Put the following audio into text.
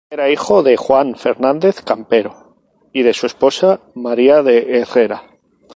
Era hijo de "Juan Fernández Campero" y de su esposa "María de Herrera".